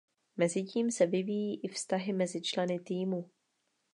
Mezitím se vyvíjí i vztahy mezi členy týmu.